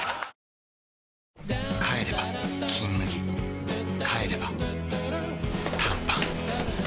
帰れば「金麦」帰れば短パン